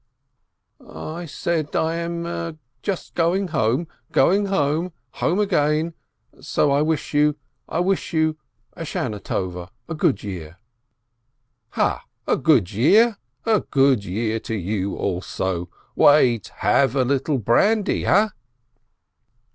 "I said — I am just going — going home — home again — so I wish — wish you — a good year!" "Ha, a good year ? A good year to you also ! Wait, have a little brandy, ha